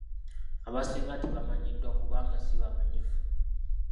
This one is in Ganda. Abasinga tebamanyiddwa kubanga sibamanyifu.